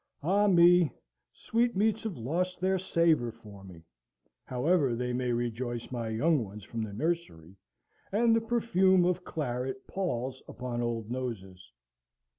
Ah me! sweetmeats have lost their savour for me, however they may rejoice my young ones from the nursery, and the perfume of claret palls upon old noses!